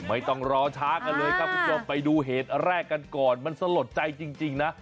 ไม่ต้องรอช้ากันเลยครับคุณผู้ชมไปดูเหตุแรกกันก่อนมันสลดใจจริงนะ